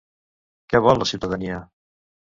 Què vol la ciutadania?